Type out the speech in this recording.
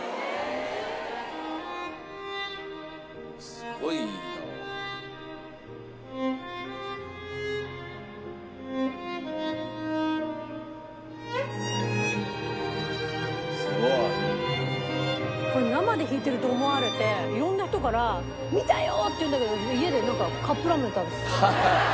「すごいな」「すごい」「これ生で弾いてると思われて色んな人から“見たよ”って言うんだけど家でカップラーメン食べてた」